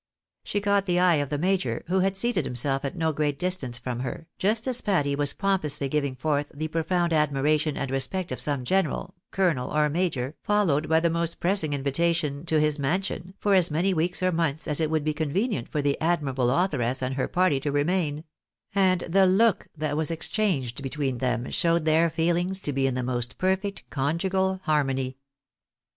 She caught the eye of the major (who had seated himself at no great distance from her), just as Patty was pompously giving forth the profound admiration and respect of some general, colonel, or major, followed by the most pressing invitation to his " mansion," for as many weeks or months as it would be convenient for the admirable authoress and her party to remain ; and the look that was exchanged between them showed their feelings to be in the most perfect conjugal harmony.